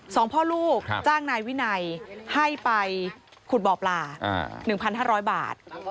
สองพ่อลูกจ้างนายวินัยให้ไปขุดบ่อปลา๑๕๐๐บาท